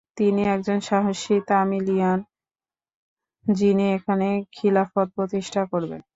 তিনি একজন সাহসী তামিলিয়ান, যিনি এখানে খিলাফত প্রতিষ্ঠা করবেন।